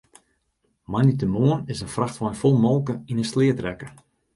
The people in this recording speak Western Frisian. Moandeitemoarn is in frachtwein fol molke yn 'e sleat rekke.